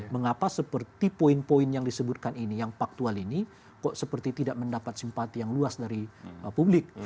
mengapa seperti poin poin yang disebutkan ini yang faktual ini kok seperti tidak mendapat simpati yang luas dari publik